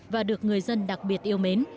và được người dân đặc biệt yêu mến